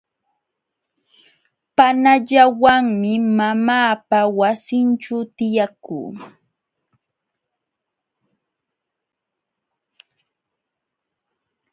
Panallawanmi mamaapa wasinćhuu tiyakuu.